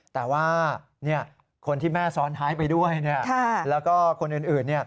แต่ว่าคนที่แม่ซ้อนท้ายไปด้วยแล้วก็คนอื่น